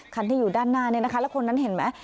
คันที่อยู่ด้านหน้าเนี่ยนะคะแล้วคนนั้นเห็นไหม